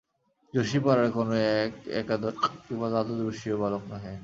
যশি পাড়ার কোনো একাদশ কিংবা দ্বাদশবর্ষীয় বালক নহে।